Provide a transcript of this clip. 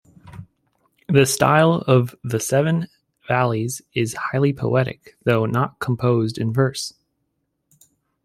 The style of "The Seven Valleys" is highly poetic, though not composed in verse.